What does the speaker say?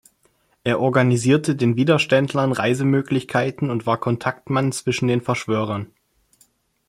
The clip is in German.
Er organisierte den Widerständlern Reisemöglichkeiten und war Kontaktmann zwischen den Verschwörern.